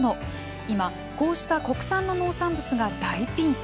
今、こうした国産の農産物が大ピンチ。